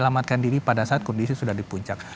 selamatkan diri pada saat kondisi sudah di puncak